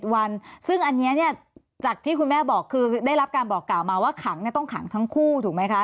วันซึ่งอันนี้เนี่ยจากที่คุณแม่บอกคือได้รับการบอกกล่าวมาว่าขังต้องขังทั้งคู่ถูกไหมคะ